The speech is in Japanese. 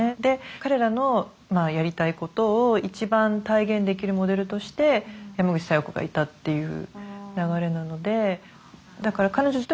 彼らのやりたいことを一番体現できるモデルとして山口小夜子がいたっていう流れなので。